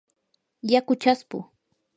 yaku chaspu.